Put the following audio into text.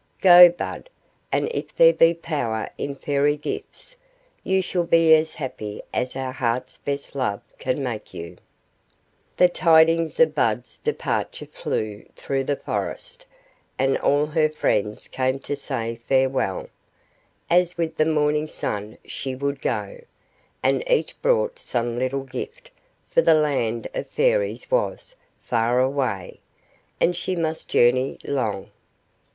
Go, Bud, and if there be power in Fairy gifts, you shall be as happy as our hearts' best love can make you." The tidings of Bud's departure flew through the forest, and all her friends came to say farewell, as with the morning sun she would go; and each brought some little gift, for the land of Fairies was far away, and she must journey long.